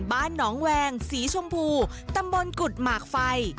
บ้านหนองแวงสีชมพูตำบลกุฎหมากไฟ